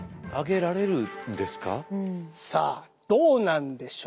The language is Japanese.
さあどうなんでしょう。